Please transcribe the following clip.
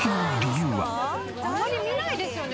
あんまり見ないですよね